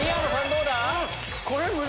どうだ？